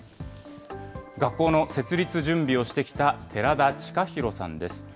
学校の設立準備をしてきた、寺田親弘さんです。